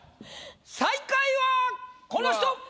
最下位はこの人！